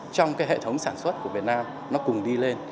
trong cái hệ thống sản xuất của việt nam nó cùng đi lên